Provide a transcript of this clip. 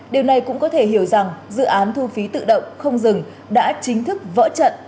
điều này cũng có thể hiểu rằng dự án thu phí tự động không dừng đã chính thức vỡ trận